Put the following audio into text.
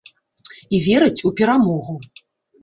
І верыць у перамогу.